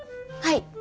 はい。